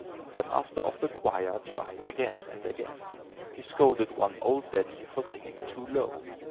The master of the choir tried again and again. He scolded one old daddy, for singing too low.